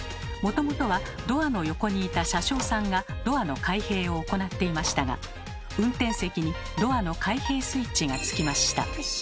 もともとはドアの横にいた車掌さんがドアの開閉を行っていましたが運転席にドアの開閉スイッチが付きました。